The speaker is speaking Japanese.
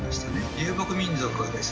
遊牧民族はですね